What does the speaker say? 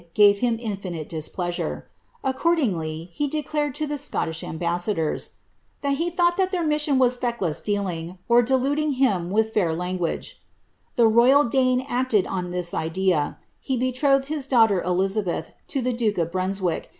gave him intinite displeasure. Accordingly, he declared to the booiu^li ambassadors, » that he thought ilieir mission was but feckless dealins. or deluding him with fair language," The roval Dane acted on ihu iilea; he betrothed his daughter Elizabeth lo the duke of Ifrunswick.